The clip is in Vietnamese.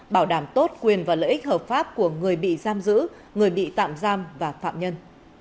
bảo đảm tốt quyền và lợi ích hợp pháp của người bị giam giữ người bị tạm giam và phạm nhân